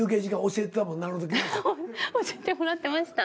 教えてもらってました。